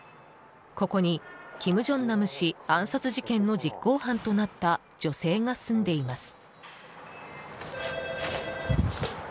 ここに金正男氏暗殺事件の実行犯となった女性が住んでいます。